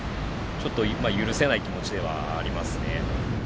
ちょっと許せない気持ちではありますね。